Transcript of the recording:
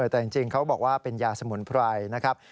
แต่จริงเขาบอกว่าเป็นยาสมุนไพรนะครับ